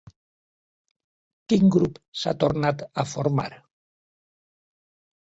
Quin grup s'ha tornat a formar?